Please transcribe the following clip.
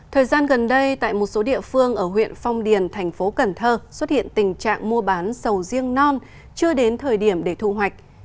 thời gian gần đây tại một số địa phương ở huyện phong điền thành phố cần thơ xuất hiện tình trạng mua bán sầu riêng non chưa đến thời điểm để thu hoạch